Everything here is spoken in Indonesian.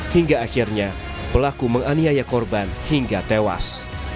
hingga akhirnya pelaku menganiaya korban hingga tewas